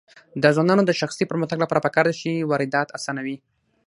د ځوانانو د شخصي پرمختګ لپاره پکار ده چې واردات اسانوي.